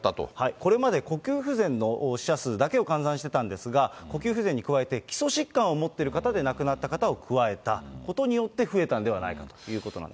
これまで呼吸不全の死者数だけを換算してたんですが、呼吸不全に加えて基礎疾患を持ってる方で亡くなった方を加えたことによって増えたんではないかということなんです。